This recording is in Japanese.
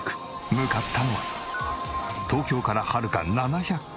向かったのは東京からはるか７００キロ。